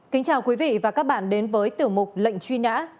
kính chào quý vị và các bạn đến với tiểu mục lệnh truy nã